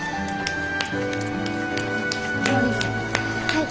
はい。